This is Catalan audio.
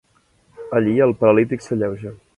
Allí, el paralític s'alleuja.